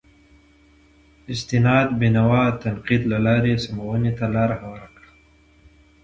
استناد بینوا د تنقید له لارې سمونې ته لار هواره کړه.